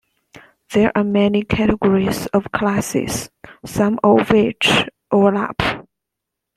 There are many categories of classes, some of which overlap.